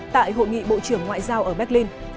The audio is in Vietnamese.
tại hội nghị bộ trưởng ngoại giao ở berlin